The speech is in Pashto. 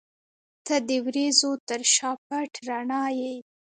• ته د وریځو تر شا پټ رڼا یې.